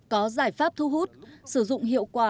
có giải pháp thu hút sử dụng hiệu quả